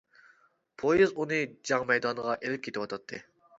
پويىز ئۇنى جەڭ مەيدانىغا ئېلىپ كېتىۋاتاتتى.